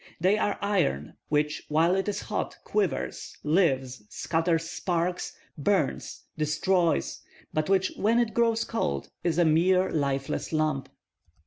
They are iron which while it is hot quivers, lives, scatters sparks, burns, destroys, but which when it grows cold is a mere lifeless lump.